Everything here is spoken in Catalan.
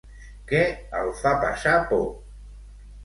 Què el fa passar por?